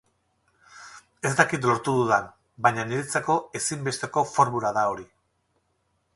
Ez dakit lortu dudan, baina niretzako ezinbesteko formula da hori.